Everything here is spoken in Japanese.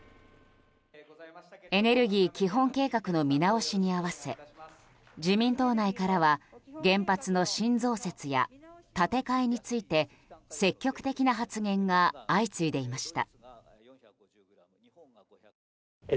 エネルギー基本計画の見直しに合わせ自民党内からは原発の新増設や建て替えについて積極的な発言が相次ぎました。